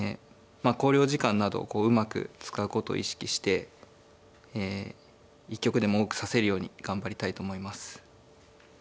まあ考慮時間などをうまく使うことを意識して一局でも多く指せるように頑張りたいと思います。